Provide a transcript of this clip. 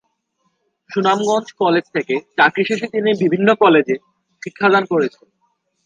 Sunamganj college থেকে চাকরি শেষে তিনি বিভিন্ন কলেজে শিক্ষাদান করেছেন।